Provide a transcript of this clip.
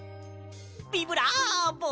ビブラボ！